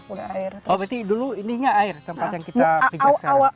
oh berarti dulu ini tidak air tempat yang kita pijak sekarang